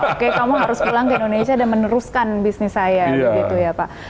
oke kamu harus pulang ke indonesia dan meneruskan bisnis saya begitu ya pak